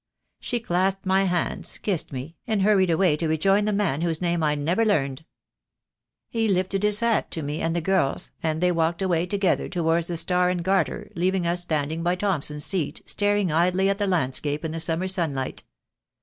She clasped my hands, kissed me, and hurried away to rejoin the man whose name I never learned. He lifted his hat to me and the girls, and they walked away together towards the Star and Garter, leaving us standing by Thomson's Seat, staring idly at the landscape in the summer sunlight.